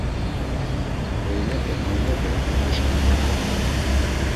K̆oyinepe moyinepe oxuşǩu zat̆i.